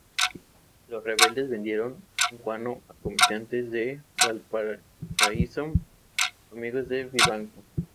Los rebeldes vendieron guano a comerciantes de Valparaíso amigos de Vivanco.